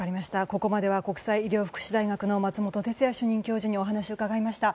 ここまでは国際医療福祉大学の松本哲哉主任教授にお話を伺いました。